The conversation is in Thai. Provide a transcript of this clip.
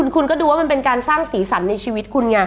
คุณก็ดูมันเป็นการสร้างศีรษรรคูณไง